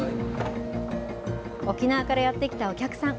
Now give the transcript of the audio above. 沖縄からやって来たお客さん。